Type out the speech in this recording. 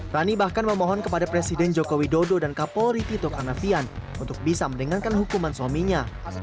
rani bahkan memohon kepada presiden joko widodo dan kapol ritito kanavian untuk bisa meningankan hukuman suaminya